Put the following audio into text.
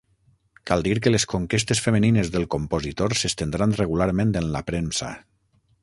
Cal dir que les conquestes femenines del compositor s'estendran regularment en la premsa.